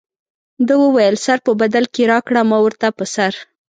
ده وویل سر په بدل کې راکړه ما ورته په سر.